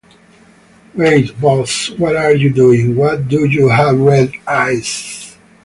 Wait, boss, what are you doing? Why do you have red eyes?